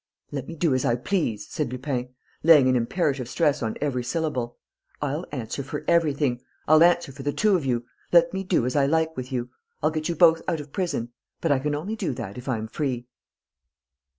"Let me do as I please," said Lupin, laying an imperative stress on every syllable. "I'll answer for everything.... I'll answer for the two of you.... Let me do as I like with you.... I'll get you both out of prison.... But I can only do that if I'm free."